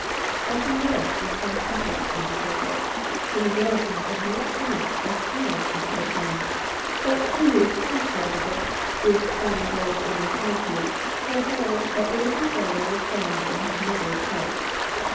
1 conversed with some sweepers on the ji'.ibject. Tiie majority had not st much a^ hear. I of the occur rence, hut two who had heard tif it — botli climb ing boys in their childhood— had heard that the little ieliuw was found in his mother's houiie.